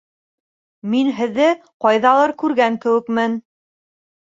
Мин һеҙҙе ҡайҙалыр күргән кеүекмен.